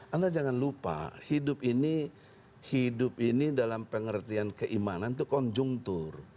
anda jangan lupa hidup ini hidup ini dalam pengertian keimanan itu konjungtur